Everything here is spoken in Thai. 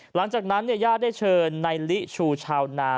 หลังจากนั้นญาติได้เชิญในลิชูชาวนา